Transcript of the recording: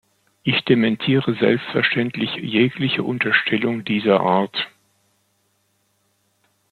Ich dementiere selbstverständlich jegliche Unterstellung dieser Art.